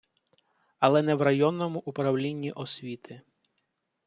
Але не в районному управлінні освіти.